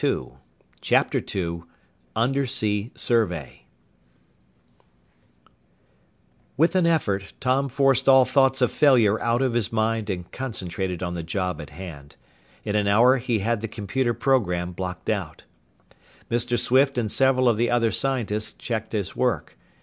_ CHAPTER II UNDERSEA SURVEY With an effort, Tom forced all thoughts of failure out of his mind and concentrated on the job at hand. In an hour he had the computer program blocked out. Mr. Swift and several of the other scientists checked his work.